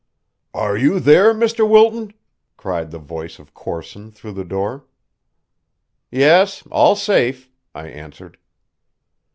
"Are you there, Mr. Wilton?" cried the voice of Corson through the door. "Yes, all safe," I answered.